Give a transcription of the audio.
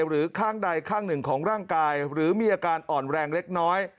หรือข้างใดข้างหนึ่งของร่างกายหรือมีอาการอ่อนแรงเล็กน้อย